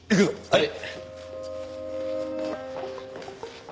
はい！